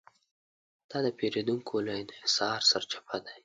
دا د پېریدونکو له انحصار سرچپه دی.